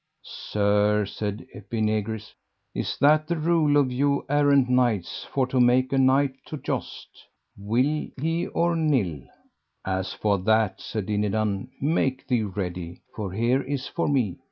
Sir, said Epinegris, is that the rule of you errant knights for to make a knight to joust, will he or nill? As for that, said Dinadan, make thee ready, for here is for me.